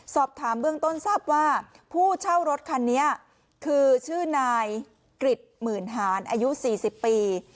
สอบถามเบื้องต้นทราบว่าผู้เช่ารถคันนี้คือชื่อนายกริจหมื่นหารอายุ๔๐ปี